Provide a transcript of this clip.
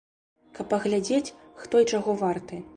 Каб паглядзець, хто і чаго варты.